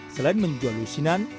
selain menjual usinan